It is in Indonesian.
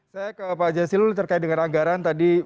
saya ke pak jasilul terkait dengan anggaran tadi